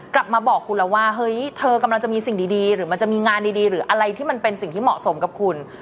กลับมาบอกคุณแล้วว่าเฮ้ยเธอกำลังจะมีสิ่งดีหรือมันจะมีงานดีหรืออะไรที่มันเป็นสิ่งที่เหมาะสมกับคุณ